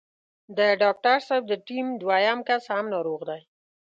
د ډاکټر صاحب د ټيم دوهم کس هم ناروغ دی.